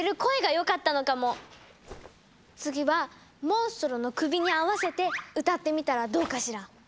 次はモンストロの首に合わせて歌ってみたらどうかしら？